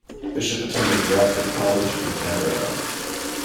Bishop attended Radford College in Canberra.